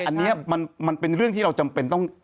อันนี้มันเป็นเรื่องที่เราจำเป็นต้อง